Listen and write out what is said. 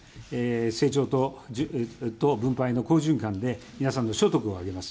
成長と分配の好循環で、皆さんの所得を上げます。